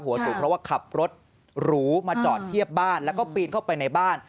สูงเพราะว่าขับรถหรูมาจอดเทียบบ้านแล้วก็ปีนเข้าไปในบ้าน